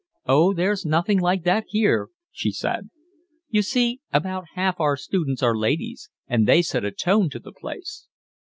"Oh, there's nothing like that here," she said. "You see, about half our students are ladies, and they set a tone to the place."